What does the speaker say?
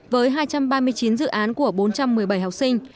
với hai trăm ba mươi chín dự án của bốn trăm một mươi bảy học sinh